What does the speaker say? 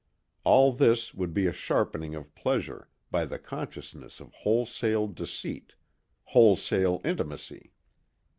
All this would be a sharpening of pleasure by the consciousness of wholesale deceit, wholesale intimacy.